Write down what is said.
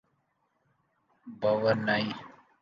Brunei